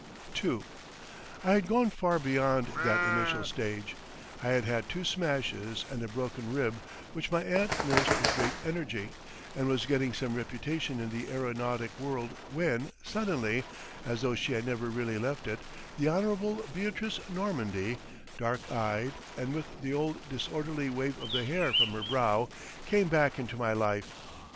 II I had gone far beyond that initial stage; I had had two smashes and a broken rib which my aunt nursed with great energy, and was getting some reputation in the aeronautic world when, suddenly, as though she had never really left it, the Honourable Beatrice Normandy, dark eyed, and with the old disorderly wave of the hair from her brow, came back into my life.